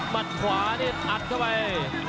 มัดขวาเนี่ยอัดเข้าไป